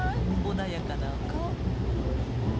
穏やかなお顔。